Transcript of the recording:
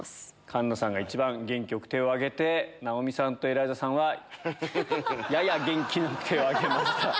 環奈さんが元気よく手を挙げて直美さんとエライザさんはやや元気なく手を挙げました。